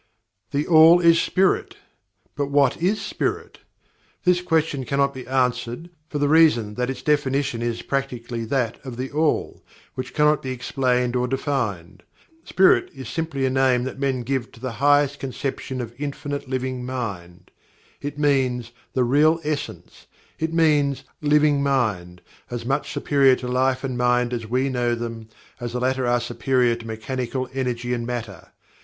THE ALL is SPIRIT! But what is Spirit? This question cannot be answered, for the reason that its definition is practically that of THE ALL, which cannot be explained or defined. Spirit is simply a name that men give to the highest conception of Infinite Living Mind it means "the Real Essence" it means Living Mind, as much superior to Life and Mind as we know them, as the latter are superior to mechanical Energy and Matter.